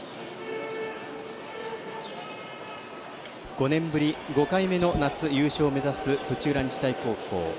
５年ぶり、５回目の夏優勝を目指す土浦日大高校。